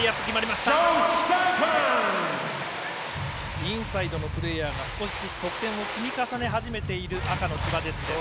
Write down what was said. インサイドのプレーヤーが少しずつ得点を積み重ね始めている赤の千葉ジェッツ。